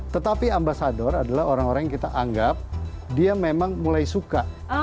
tetapi ambasador adalah orang orang yang kita anggap dia memang mulai suka